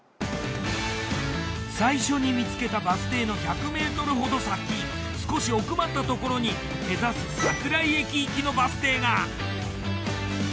最初に見つけたバス停の１００ｍほど先少し奥まったところに目指す桜井駅行きのバス停が。